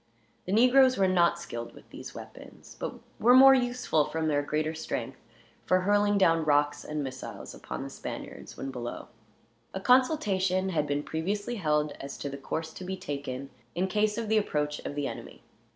The negroes were not skilled with these weapons; but were more useful, from their greater strength, for hurling down rocks and missiles upon the Spaniards, when below. A consultation had been previously held, as to the course to be taken in case of the approach of the enemy.